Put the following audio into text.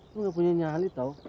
lu gak punya nyali tau